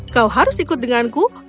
kau harus ikut denganku